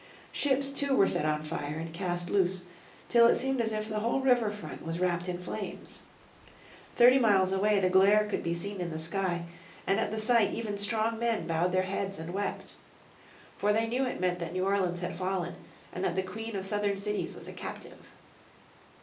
Ships too were set on fire, and cast loose, till it seemed as if the whole river front was wrapped in flames. Thirty miles away the glare could be seen in the sky, and at the sight even strong men bowed their heads and wept. For they knew it meant that New Orleans had fallen, and that the Queen of Southern cities was a captive.